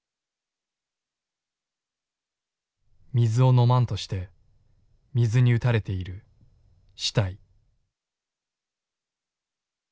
「水を飲まんとして水に打たれている死体」。